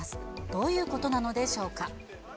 どういうことなのでしょうか。